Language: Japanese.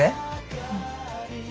うん。